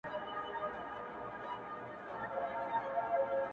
لكه د دوو جنـــــــگ.